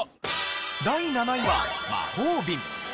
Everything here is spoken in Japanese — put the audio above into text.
第７位は魔法瓶。